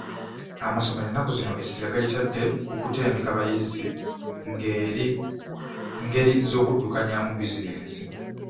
Amasomero ennaku zino essira galitadde ku kutendeka bayizi ngeri z'okuddukanyaamu bizinensi.